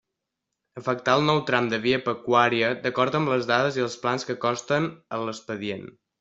Afectar el nou tram de via pecuària d'acord amb les dades i els plans que consten en l'expedient.